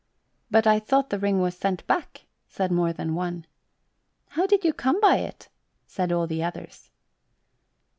"But I thought the ring was sent back," said more than one. "How did you come by it?" said all the others.